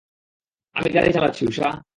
আমি গাড়ি চালাচ্ছি, উষা।